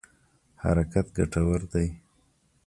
حرکت ګټور دی.